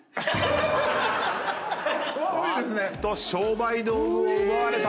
あっと商売道具を奪われた。